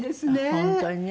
本当にね。